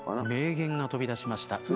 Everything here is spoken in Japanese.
名言が飛びだしました。